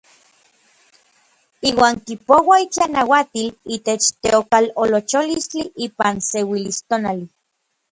Iuan kipouaj itlanauatil itech teokalolocholistli ipan seuilistonali.